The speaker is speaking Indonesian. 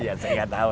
ya saya gak tahu